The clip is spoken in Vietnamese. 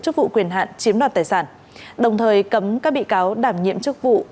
chức vụ quyền hạn chiếm đoạt tài sản đồng thời cấm các bị cáo đảm nhiệm chức vụ